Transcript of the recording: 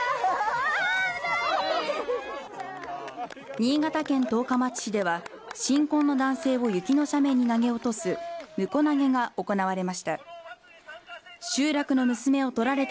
新潟県十日町市では、新婚の男性を雪の斜面に投げ落とすむこ投げが行われました。